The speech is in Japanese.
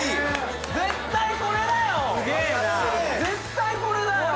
絶対これだよ。